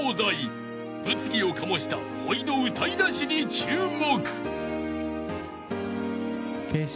［物議を醸したほいの歌いだしに注目］